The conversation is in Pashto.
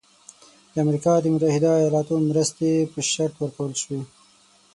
د امریکا د متحده ایالاتو مرستې په شرط ورکول شوی.